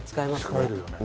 使えるよね。